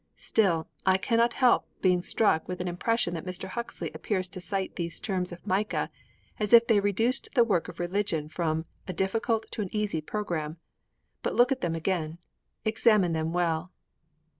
Still, I cannot help being struck with an impression that Mr. Huxley appears to cite these terms of Micah as if they reduced the work of religion from a difficult to an easy program. But look at them again. Examine them well.